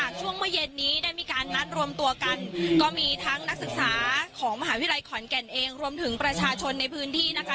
ของมหาวิทยาลัยขอนแก่นเองรวมถึงประชาชนในพื้นที่นะคะ